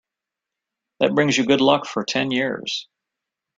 That brings you good luck for ten years.